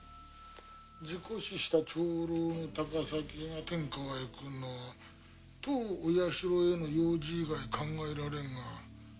事故死した長老の高崎が天川へ来るのは当お社への用事以外考えられんが。